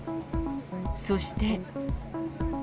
そして。